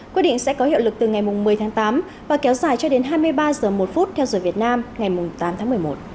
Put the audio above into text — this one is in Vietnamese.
quyết định sẽ có hiệu lực từ ngày một mươi tháng tám và kéo dài cho đến hai mươi ba h một theo giờ việt nam ngày tám tháng một mươi một